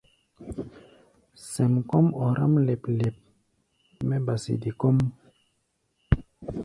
Sɛm kɔ́ʼm ɔráʼm lɛp-lɛp mɛ́ ba sede kɔ́ʼm.